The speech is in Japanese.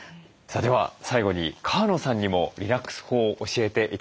では最後に川野さんにもリラックス法を教えて頂きます。